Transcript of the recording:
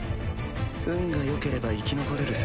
運がよければ生き残れるさ。